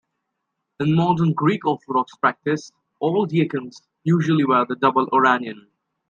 In modern Greek Orthodox practice, all deacons usually wear the double orarion.